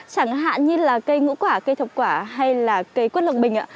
chẳng hạn như là cây ngũ quả cây thập quả hay là cây quất lợng bình